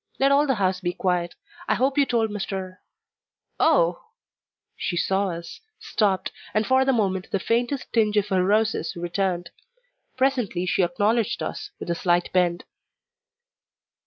Let all the house be quiet. I hope you told Mr. Oh " She saw us, stopped, and for the moment the faintest tinge of her roses returned. Presently she acknowledged us, with a slight bend.